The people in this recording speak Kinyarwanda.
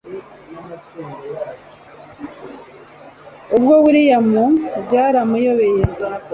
ubwo william byaramuyobeye